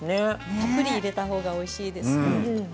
たっぷり、ごまを入れた方がおいしいです。